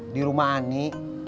di rumah ani